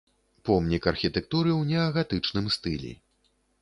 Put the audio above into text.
Помнік архітэктуры ў неагатычным стылі.